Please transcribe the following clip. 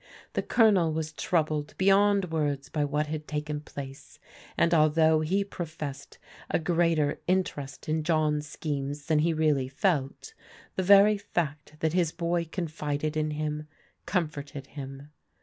The Colonel was troubled beyond words by what had taken place, and although he professed a greater interest in John's schemes than he really felt, the very fact that his boy confided in him, comforted him.